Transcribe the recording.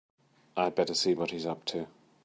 I'd better see what he's up to.